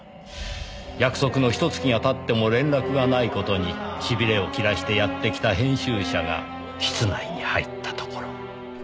約束のひと月が経っても連絡がない事に痺れを切らしてやって来た編集者が室内に入ったところ。